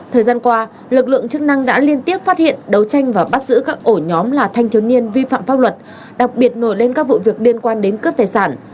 thời gian qua lực lượng chức năng đã liên tiếp phát hiện đấu tranh và bắt giữ các ổ nhóm là thanh thiếu niên vi phạm pháp luật đặc biệt nổi lên các vụ việc liên quan đến cướp tài sản